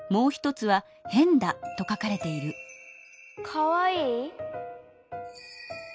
「かわいい」？